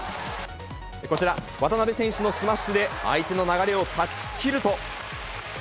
こちら、渡辺選手のスマッシュで、相手の流れを断ち切ると。